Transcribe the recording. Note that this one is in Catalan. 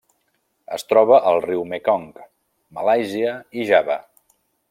Es troba al riu Mekong, Malàisia i Java.